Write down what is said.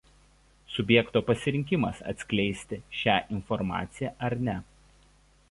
Subjekto pasirinkimas atskleisti šią informaciją ar ne.